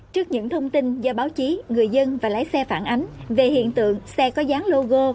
trước những thông tin do báo chí người dân và lái xe phản ánh về hiện tượng xe có dán logo